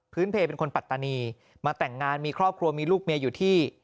เพลเป็นคนปัตตานีมาแต่งงานมีครอบครัวมีลูกเมียอยู่ที่